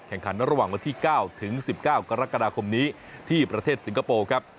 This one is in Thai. แข่งขันระหว่างวันที่๙ถึง๑๙กรกฎาคมนี้ที่ประเทศสิงคโปร์ครับ